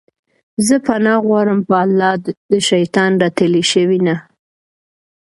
زه پناه غواړم په الله د شيطان رټلي شوي نه